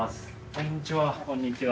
こんにちは。